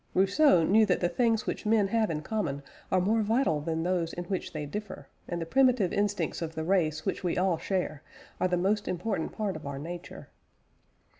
Rousseau knew that the things which men have in common are more vital than those in which they differ, and the primitive instincts of the race which we all share, are the most important part of our nature.